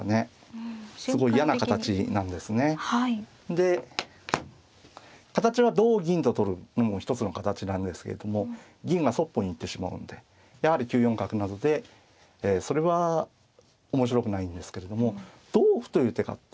で形は同銀と取るのも一つの形なんですけれども銀がそっぽに行ってしまうんでやはり９四角などでそれは面白くないんですけれども同歩という手があって。